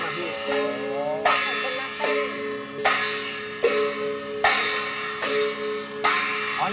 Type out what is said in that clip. แบบมือทรนกราวน์